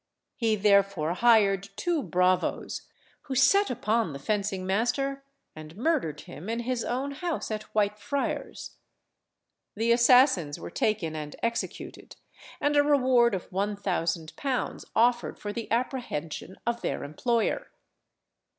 He therefore hired two bravos, who set upon the fencing master, and murdered him in his own house at Whitefriars. The assassins were taken and executed, and a reward of one thousand pounds offered for the apprehension of their employer.